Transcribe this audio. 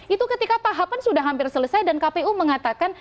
itu ketika tahapan sudah hampir selesai dan kpu mengatakan